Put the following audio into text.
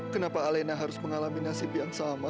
kenapa alena harus mengalami nasib yang sama